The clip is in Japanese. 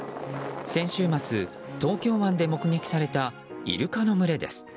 先週末、東京湾で目撃されたイルカの群れです。